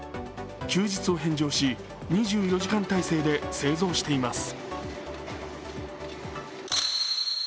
休日を返上し２４時間態勢で製造しています。